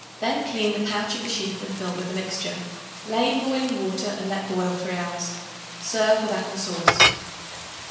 Then clean the pouch of the sheep and fill with the mixture. Lay in boiling water and let boil three hours. Serve with apple sauce.